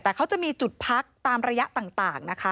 แต่เขาจะมีจุดพักตามระยะต่างนะคะ